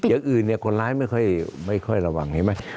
อย่างอื่นเนี่ยคนร้ายไม่ค่อยระวังใช่ไหม